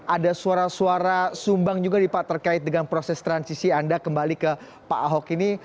ada suara suara sumbang juga nih pak terkait dengan proses transisi anda kembali ke pak ahok ini